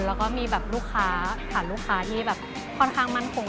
แล้วก็มีแบบลูกค้าผ่านลูกค้าที่แบบค่อนข้างมั่นคง